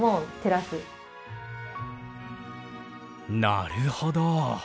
なるほど。